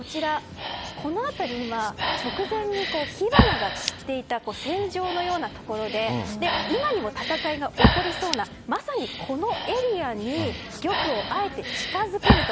この辺りは直前に火花が散っていた戦場のようなところで今にも戦いが起こりそうなまさにこのエリアに玉をあえて近づけると。